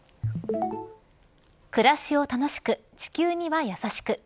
暮らしを楽しく地球には優しく。